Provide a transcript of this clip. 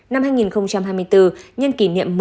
năm hai nghìn hai mươi bốn nhân kỷ niệm